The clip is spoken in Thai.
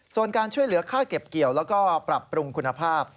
ส่วนการช่วยเหลือค่าเก็บเกี่ยวแล้วก็ปรับปรุงคุณภาพ